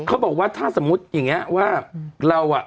เขาบอกว่าถ้าสมมุติอย่างนี้ว่าเราอ่ะ